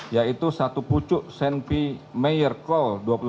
yaitu satu pucuk senpi meyer col dua ribu sembilan belas